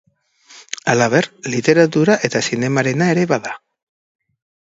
Halaber, literatura eta zinemarena ere bada.